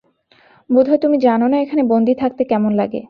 বোধহয় তুমি জানো না এখানে বন্দী থাকতে কেমন লাগে।